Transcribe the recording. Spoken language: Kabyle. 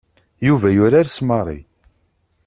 Yuba yurar s Mary.